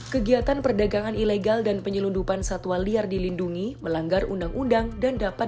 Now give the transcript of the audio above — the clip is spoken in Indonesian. kegiatan perdagangan ilegal dan penyelundupan satwa liar dilindungi melanggar undang undang dan dapat